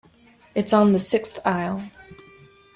It’s on the sixth aisle.